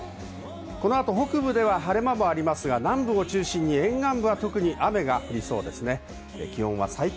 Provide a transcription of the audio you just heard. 北部では晴れ間もありますが南部を中心に沿岸部は特に雨が降りそうです。